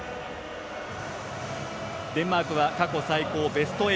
デンマークは過去最高ベスト８。